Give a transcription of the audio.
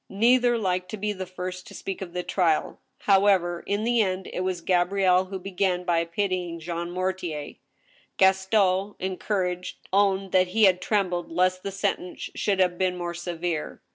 Neither liked to be the first to speak of the trial. However, in the end it was Gabrielle who began by pitying Jean Mortier. Gas ton, encouraged, owned that he had trembled lest the sentence should have been more severe.